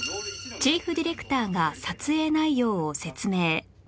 チーフディレクターが撮影内容を説明